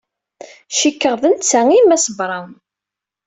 Cikkeɣ d netta ay Mass Brown.